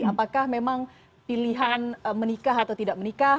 apakah memang pilihan menikah atau tidak menikah